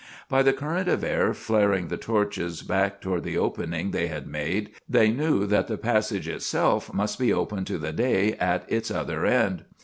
By the current of air flaring the torches back toward the opening they had made, they knew that the passage itself must be open to the day at its other end.